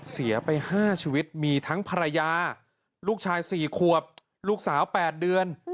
เสียไป๕ชีวิตมีทั้งภรรยาลูกชาย๔ขวบลูกสาว๘เดือน